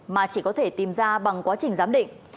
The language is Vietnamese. mà chỉ có thể tìm ra bằng quá trình giám định